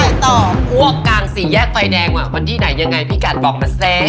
มัวสุดอ่ะพวกกางสีแยกไฟแดงอ่ะบนที่ไหนยังไงพี่กันบอกมาสิ